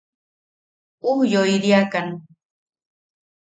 Ujyoiriakan.